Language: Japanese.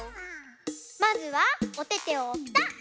まずはおててをぴたっ！